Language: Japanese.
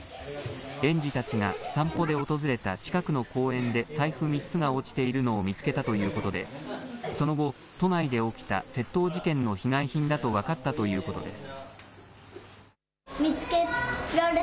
園児たちが散歩で訪れた近くの公園で財布３つが落ちているのを見つけたということで、その後、都内で起きた窃盗事件の被害品だと分かったということです。